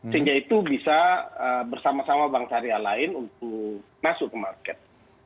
sehingga itu bisa bersama sama bank syariah lain untuk masuk ke market